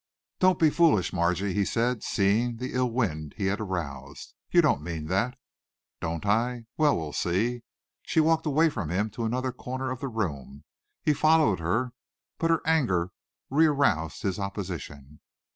"Don't be foolish, Margy," he said, seeing the ill wind he had aroused. "You don't mean that." "Don't I? Well, we'll see." She walked away from him to another corner of the room. He followed her, but her anger re aroused his opposition.